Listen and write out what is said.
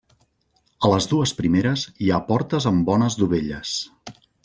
A les dues primeres hi ha portes amb bones dovelles.